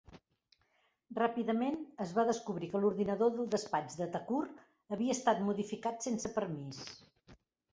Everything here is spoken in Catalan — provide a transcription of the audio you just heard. Ràpidament es va descobrir que l'ordinador del despatx de Thakur havia estat modificat sense permís.